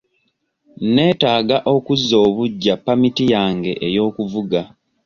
Netaaga okuzza obuggya pamiti yange ey'okuvuga.